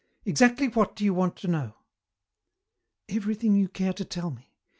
Exactly what do you want to know?" "Everything you care to tell me.